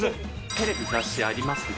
テレビ・雑誌ありますね。